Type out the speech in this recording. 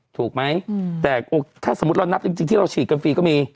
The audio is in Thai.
ถูกไหมแต่ถ้าสมมุติเรานับจริงที่เราฉีดกันฟรีก็มี